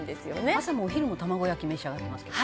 「朝もお昼も卵焼き召し上がってますけど」